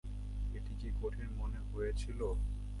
এটা কি কঠিন মনে হয়েছিল?